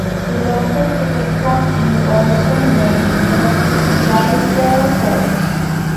The local Cricket club is also named the Drysdale Hawks.